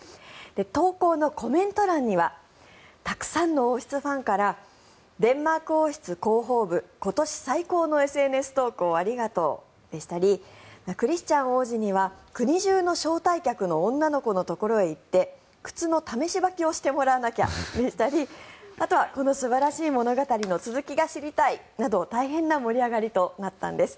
投稿のコメント欄にはたくさんの王室ファンからデンマーク王室広報部今年最高のＳＮＳ投稿ありがとうでしたりクリスチャン王子には国中の招待客の女の子のところに行って靴の試し履きをしてもらわなきゃでしたりあとは、この素晴らしい物語の続きが知りたいなど大変な盛り上がりとなったんです。